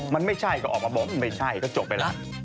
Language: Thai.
มันไม่ใช่ก็ออกมาบอกไม่ใช่ก็จบไปแล้ว